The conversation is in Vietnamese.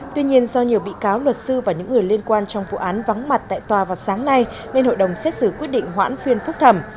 tuy nhiên do nhiều bị cáo luật sư và những người liên quan trong vụ án vắng mặt tại tòa vào sáng nay nên hội đồng xét xử quyết định hoãn phiên phúc thẩm